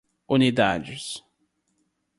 unidades